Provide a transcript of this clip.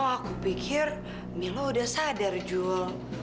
aku pikir milo udah sadar jul